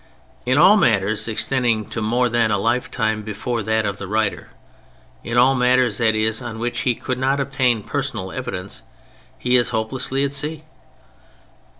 In all matters extending to more than a lifetime before that of the writer, in all matters, that is, on which he could not obtain personal evidence, he is hopelessly at sea.